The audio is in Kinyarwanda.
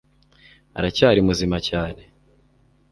aracyari muzima cyane